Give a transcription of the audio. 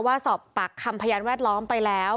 สอบปากคำพยานแวดล้อมไปแล้ว